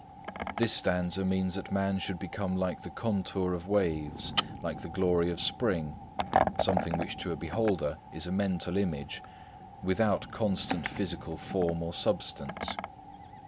This stanza means that man should become like the contour of waves, like the glory of spring,—something which to a beholder is a mental image, without constant physical form or substance.